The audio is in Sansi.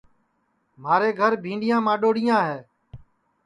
مھارے گھر بھِینڈؔیاں ماڈؔوڑیاں ہے